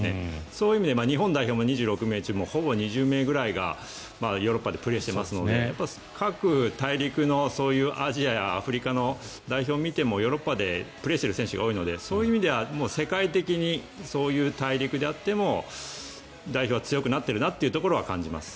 そういう意味で日本代表も２６名中ほぼ２０名ぐらいがヨーロッパでプレーしていますので各大陸のアジアやアフリカの代表を見てもヨーロッパでプレーしてる選手が多いのでそういう意味では世界的にそういう、大陸であっても代表は強くなっているなというところは感じます。